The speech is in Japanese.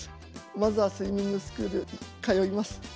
まずはスイミングスクール通います。